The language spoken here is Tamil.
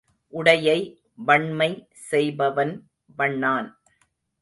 உடையை வண்மை செய்பவன் வண்ணான்.